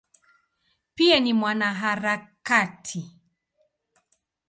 Pia ni mwanaharakati.